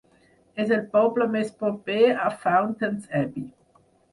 És el poble més proper a Fountains Abbey.